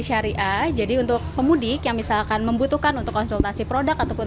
syariah jadi untuk pemudik yang misalkan membutuhkan untuk konsultasi produk ataupun